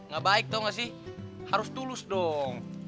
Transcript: gak baik tuh gak sih harus tulus dong